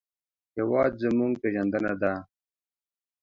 هېواد زموږ پېژندنه ده